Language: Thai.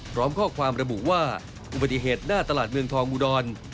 พร้อมข้อความระบุว่าอุบัติเหตุหน้าตลาดเมืองทองอุดร